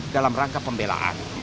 dalam rangka pembelaan